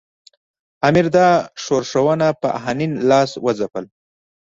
امیر دا ښورښونه په آهنین لاس وځپل.